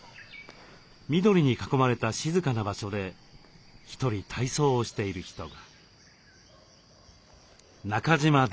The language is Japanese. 緑に囲まれた静かな場所で一人体操をしている人が。